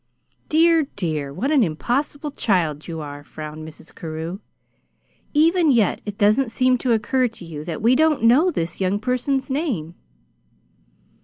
"Dear, dear, what an impossible child you are!" frowned Mrs. Carew. "Even yet it doesn't seem to occur to you that we don't know this young person's name."